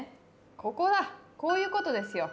ここだこういうことですよ。